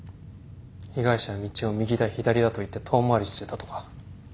被害者は道を右だ左だと言って遠回りしてたとか。